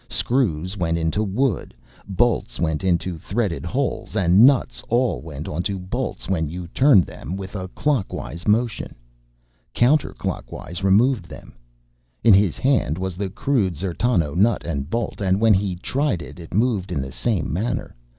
Screws went into wood, bolts went into threaded holes and nuts all went onto bolts when you turned them with a clockwise motion. Counterclockwise removed them. In his hand was the crude D'zertano nut and bolt, and when he tried it it moved in the same manner.